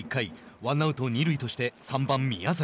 ワンアウト、二塁として３番宮崎。